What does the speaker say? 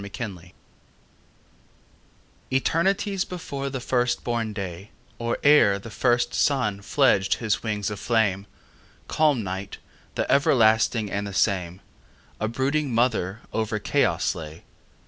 Mother Night ETERNITIES before the first born day, Or ere the first sun fledged his wings of flame, Calm Night, the everlasting and the same,A brooding mother over chaos lay.